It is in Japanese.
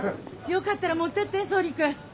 よかったら持ってって総理君。